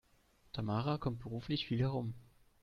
Tamara kommt beruflich viel herum.